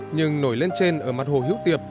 nhưng nổi lên trên ở mặt hồ hiếu tiệp